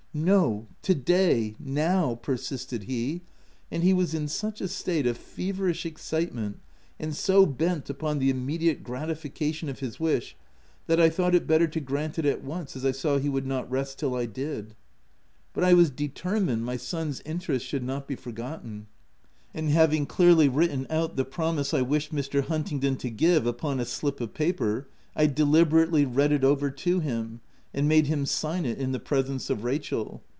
" No, to day — now," persisted he : and he was in such a state of feverish excitement, and so bent upon the immediate gratification of his wish, that I thought it better to grant it at once, as I saw he would not rest till I did. But OP WILDPELrL HALL. 203 I was determined my son's interest should not be forgotten ; and having clearly written out the promise I wished Mr. Huntingdon to give upon a slip of paper, I deliberately read it over to him, and made him sign it in the presence of Rachel.